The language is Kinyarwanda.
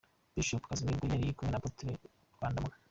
Bishop Casmir ubwo yari kumwe na Apotre Rwandamura.